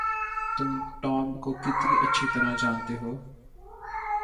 تم ٹام کو کتنی اچھی طرح جانتے ہو؟